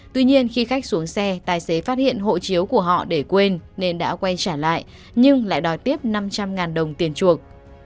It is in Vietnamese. tuy nhiên khi khách xuống xe tài xế phát hiện hộ chiếu của họ để quên nên đã quay trở lại nhưng lại đòi tiếp năm trăm linh đồng tiền chuộc